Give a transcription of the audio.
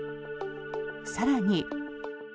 更に。